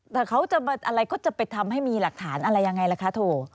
แต่เขาจะอะไรก็จะไปทำให้มีหลักฐานอะไรยังไงล่ะคะโถ